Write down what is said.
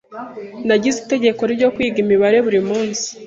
Nagize itegeko ryo kwiga imibare buri munsi.